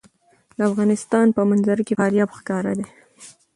د افغانستان په منظره کې فاریاب ښکاره ده.